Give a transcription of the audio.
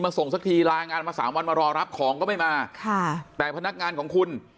ส่งสักทีลางานมาสามวันมารอรับของก็ไม่มาค่ะแต่พนักงานของคุณ